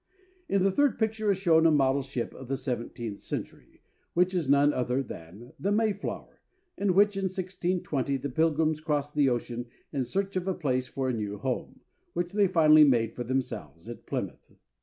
In the third picture is shown a model ship of the seventeenth century, which is none other than the Mayflower, in which, in 1620, the Pilgrims crossed the ocean in search of a place for a new home, which they finally made for themselves at Plymouth.